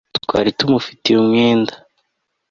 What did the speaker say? twari tumufitiye umwenda